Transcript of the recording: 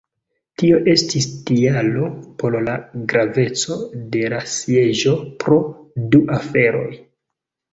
Tio estis tialo por la graveco de la sieĝo pro du aferoj.